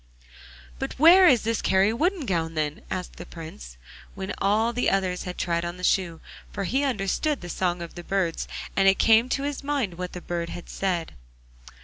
'But where is Kari Woodengown, then?' asked the Prince, when all the others had tried on the shoe, for he understood the song of birds and it came to his mind what the bird had said.